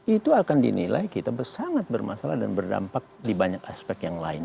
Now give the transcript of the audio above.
itu akan dinilai kita sangat bermasalah dan berdampak di banyak aspek yang lain